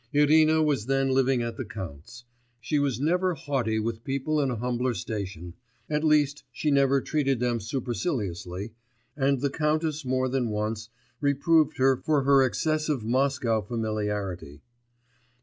Irina was then living at the count's. She was never haughty with people in a humbler station, at least she never treated them superciliously, and the countess more than once reproved her for her excessive Moscow familiarity.